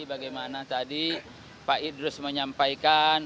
bagaimana tadi pak idrus menyampaikan